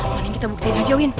maning kita buktiin aja win